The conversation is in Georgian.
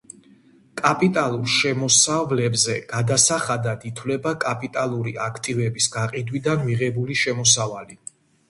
კაპიტალურ შემოსავლებზე გადასახადად ითვლება კაპიტალური აქტივების გაყიდვიდან მიღებული შემოსავალი.